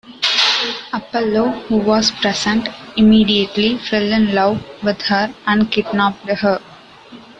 Apollo, who was present, immediately fell in love with her and kidnapped her.